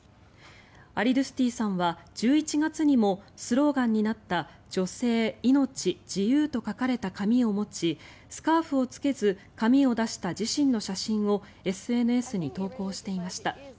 アリドゥスティさんは１１月にもスローガンになった「女性、命、自由」と書かれた紙を持ちスカーフを着けず髪を出した自身の写真をＳＮＳに投稿していました。